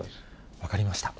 分かりました。